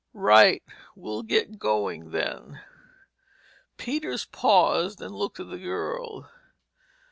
"Right. We'll get going then." Peters paused and looked at the girl.